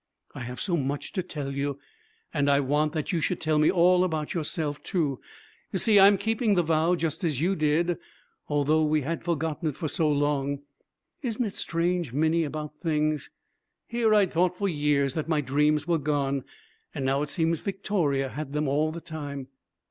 I have so much to tell you, and I want that you should tell me all about yourself, too. You see I'm keeping the vow, just as you did, although we had forgotten it for so long. Isn't it strange, Minnie, about things? Here I'd thought for years that my dreams were gone. And now it seems Victoria had them, all the time.